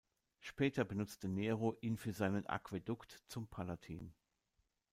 Später benutzte Nero ihn für seinen Aquädukt zum Palatin.